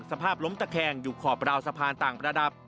สภาพล้มตะแคงอยู่ขอบราวสะพานต่างระดับ